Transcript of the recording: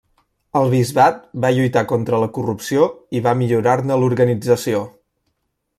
Al bisbat va lluitar contra la corrupció i va millorar-ne l'organització.